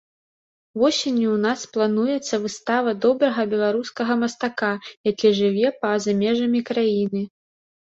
Восенню ў нас плануецца выстава добрага беларускага мастака, які жыве па-за межамі краіны.